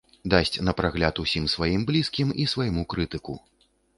Дасць на прагляд усім сваім блізкім і свайму крытыку.